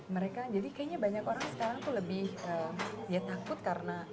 mereka jadi kayaknya banyak orang sekarang tuh lebih ya takut karena